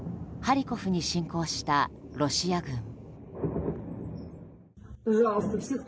ハリコフに侵攻したロシア軍。